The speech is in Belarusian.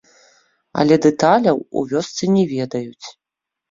Але дэталяў у вёсцы не ведаюць.